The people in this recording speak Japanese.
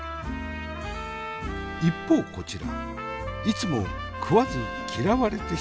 一方こちらいつも食わず嫌われてしまう皮くん。